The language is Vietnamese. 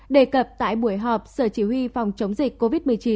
đề cập tại buổi họp sở chỉ huy phòng chống dịch covid một mươi chín